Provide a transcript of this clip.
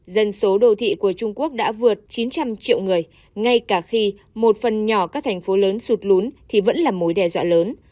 dân số đô thị của trung quốc đã vượt chín trăm linh triệu người ngay cả khi một phần nhỏ các thành phố lớn sụt lún thì vẫn là mối đe dọa lớn